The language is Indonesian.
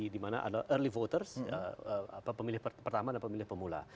di mana ada early voters pemilih pertama dan pemilih pemula